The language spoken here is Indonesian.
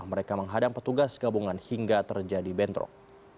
mereka menghadang petugas gabungan hingga terjadi bentrok